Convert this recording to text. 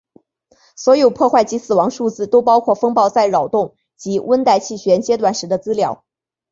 所有破坏及死亡数字都包括风暴在扰动及温带气旋阶段时的资料。